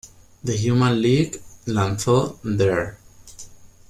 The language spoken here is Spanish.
The Human League lanzó "Dare!